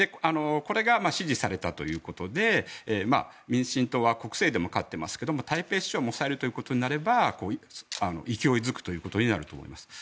これが支持されたということで民進党は国政でも勝っていますが台北市長も押さえるということになれば勢い付くということになると思います。